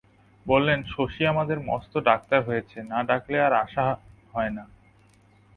বললেন, শশী আমাদের মস্ত ডাক্তার হয়েছে, না ডাকলে আর আসা হয় না।